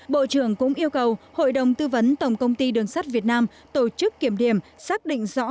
bộ trưởng cũng yêu cầu hội đồng tư vấn tổng công ty đường sắt việt nam tổ chức kiểm điểm xác định rõ